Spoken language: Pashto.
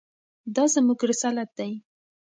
دا زموږ رسالت دی.